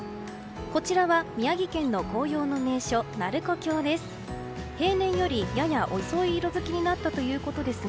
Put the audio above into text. こちらは宮城県の紅葉の名所鳴子峡です。